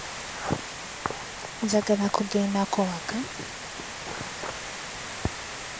Its facilities are officially known as "memorial parks".